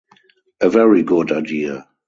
A very good idea!